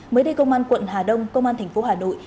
mới đây công an quận hà đông công an tp hà nội